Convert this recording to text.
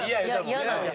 嫌なんです。